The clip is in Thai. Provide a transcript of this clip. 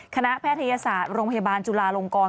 แพทยศาสตร์โรงพยาบาลจุลาลงกร